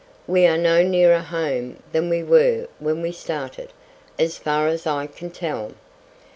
"We are no nearer home than we were when we started, as far as I can tell.